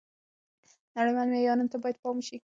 نړیوالو معیارونو ته باید پام وشي.